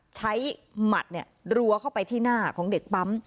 หมัดรัวเข้าไปที่หน้าของเด็กปั๊ม